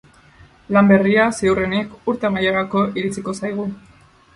Lan berria, ziurrenik, urte amaierarako iritsiko zaigu.